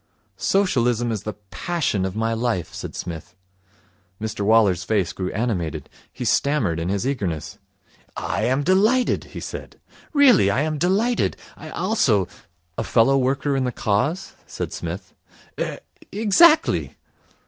'Socialism is the passion of my life,' said Psmith. Mr Waller's face grew animated. He stammered in his eagerness. 'I am delighted,' he said. 'Really, I am delighted. I also ' 'A fellow worker in the Cause?' said Psmith. 'Er exactly.'